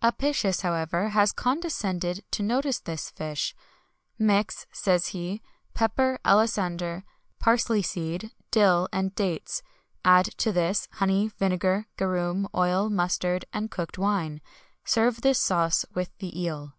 [XXI 131] Apicius, however, has condescended to notice this fish. Mix, says he, pepper, alisander, parsley seed, dill, and dates; add to this honey, vinegar, garum, oil, mustard, and cooked wine;[XXI 132] serve this sauce with the eel.